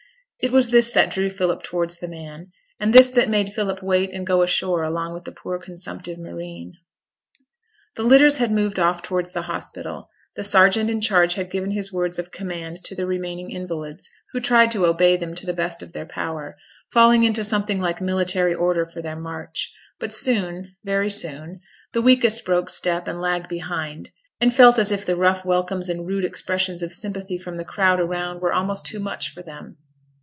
It was this that drew Philip towards the man; and this that made Philip wait and go ashore along with the poor consumptive marine. The litters had moved off towards the hospital, the sergeant in charge had given his words of command to the remaining invalids, who tried to obey them to the best of their power, falling into something like military order for their march; but soon, very soon, the weakest broke step, and lagged behind; and felt as if the rough welcomes and rude expressions of sympathy from the crowd around were almost too much for them.